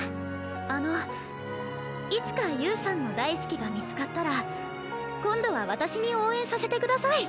あのいつか侑さんの大好きが見つかったら今度は私に応援させて下さい。